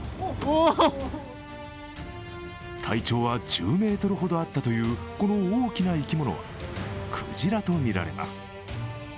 体長は１０ｍほどあったというこの大きな生き物はくじらと見られます。